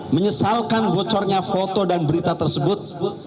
menyesalkan bocornya foto dan berita tersebut